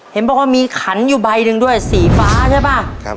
เห็นบอกว่ามีขันอยู่ใบหนึ่งด้วยสีฟ้าใช่ป่ะ